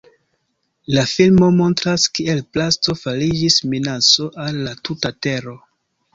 La filmo montras, kiel plasto fariĝis minaco al la tuta tero.